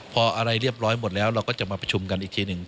พออะไรเรียบร้อยหมดแล้วเราก็จะมาประชุมกันอีกทีหนึ่ง